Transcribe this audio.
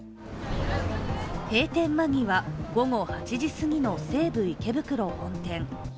閉店間際、午後８時すぎの西武池袋本店。